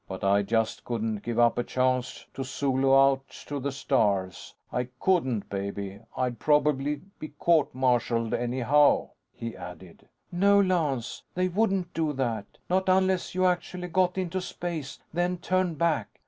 But I just couldn't give up a chance to solo out to the stars. I couldn't, baby. I'd probably be court martialed, anyhow," he added. "No, Lance. They wouldn't do that. Not unless you actually got into space, then turned back.